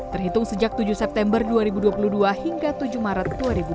terhitung sejak tujuh september dua ribu dua puluh dua hingga tujuh maret dua ribu dua puluh